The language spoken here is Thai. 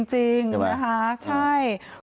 จริงใช่ไหม